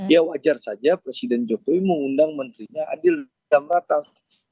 ya wajar saja presiden jokowi mengundang menterinya adil dan merata